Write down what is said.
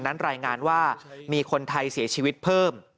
รายงานว่ามีคนไทยเสียชีวิตเพิ่ม